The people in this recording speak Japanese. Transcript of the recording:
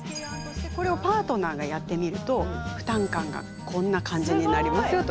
これをパートナーがやってみると負担感がこんな感じになりますよと。